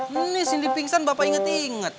ini sindi pingsan bapak inget inget